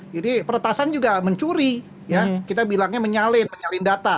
jadi peretasan juga mencuri kita bilangnya menyalin menyalin data